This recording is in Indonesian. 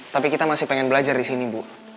tapi kita masih pengen belajar di sini bu